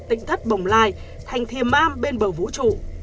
tỉnh thất bồng lai thành thiềm am bên bờ vũ trụ